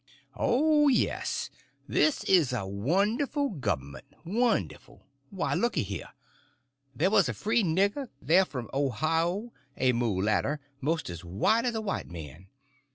"Oh, yes, this is a wonderful govment, wonderful. Why, looky here. There was a free nigger there from Ohio—a mulatter, most as white as a white man.